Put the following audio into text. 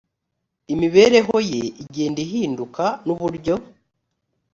imibereho ye igenda ihinduka n uburyo